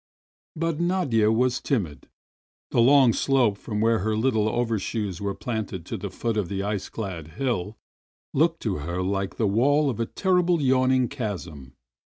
But Nadia was timid. The long slope, from where her Uttle overshoes were planted to the foot of the ice clad hill, looked to her Uke the wall of a terrible, yawn ing chasm.